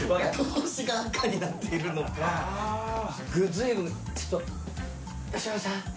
随分ちょっと吉村さん